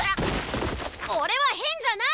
俺は変じゃない！